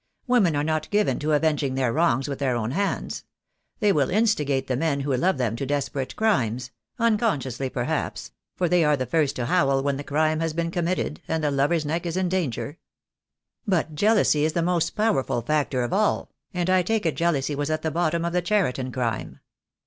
WomeiT are not given to avenging their wrongs with their own hands. They will instigate the men who love them to desperate crimes — unconsciously perhaps — for they are the first to howl when the crime has been committed, and the lover's neck is in danger. But jealousy is the most powerful factor of all, and I take it jealousy was at the bottom of the Cheriton crime.